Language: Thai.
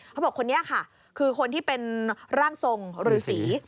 เขาบอกว่าคนนี้ค่ะคือคนที่เป็นร่างทรงฤษี